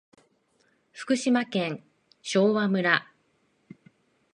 福島県昭和村